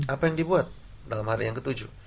apa yang dibuat dalam hari yang ke tujuh